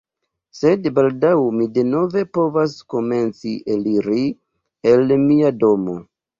Sed baldaŭ mi denove povas komenci eliri el mia domo